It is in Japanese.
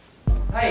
はい。